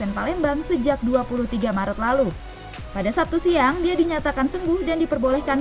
palembang sejak dua puluh tiga maret lalu pada sabtu siang dia dinyatakan sembuh dan diperbolehkan